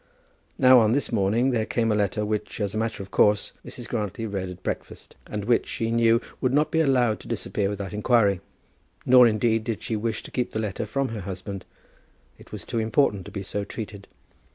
Now, on this morning, there came a letter which, as a matter of course, Mrs. Grantly read at breakfast, and which, she knew, would not be allowed to disappear without inquiry. Nor, indeed, did she wish to keep the letter from her husband. It was too important to be so treated.